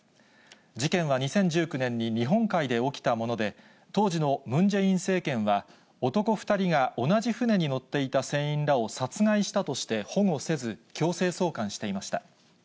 事件は２０１９年に日本海で起きたもので、当時のムン・ジェイン政権は、男２人が同じ船に乗っていた船員らを殺害したとして保護せず、強制送還していました。